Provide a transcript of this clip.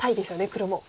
黒も。